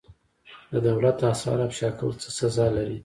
د دولت اسرار افشا کول څه سزا لري؟